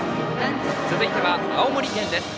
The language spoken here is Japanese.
続いては青森県です。